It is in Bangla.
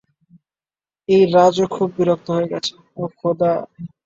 এই রাজও খুব বিরক্ত হয়ে গেছে, ওহ খোদা।